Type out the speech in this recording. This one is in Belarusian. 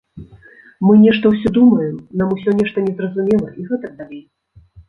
Мы нешта ўсё думаем, нам усё нешта незразумела і гэтак далей.